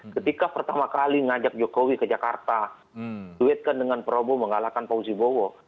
ketika pertama kali ngajak jokowi ke jakarta duetkan dengan prabowo mengalahkan fauzi bowo